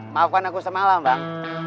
maafkan aku semalam bang